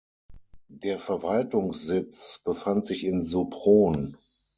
Der Verwaltungssitz befand sich in Sopron.